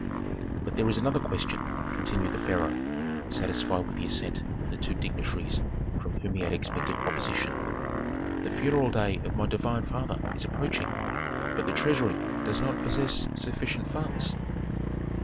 "But there is another question," continued the pharaoh, satisfied with the assent of the two dignitaries from whom he had expected opposition. "The funeral day of my divine father is approaching, but the treasury does not possess sufficient funds."